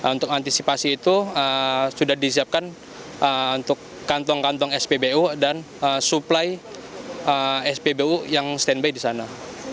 untuk antisipasi itu sudah disiapkan untuk kantong kantong spbu dan supply spbu yang standby di sana